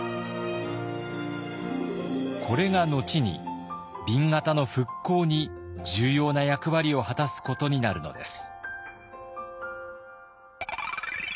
これが後に紅型の復興に重要な役割を果たすことになるのです。